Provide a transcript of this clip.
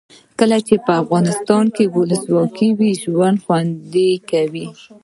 کله چې افغانستان کې ولسواکي وي ژوند خوند کوي.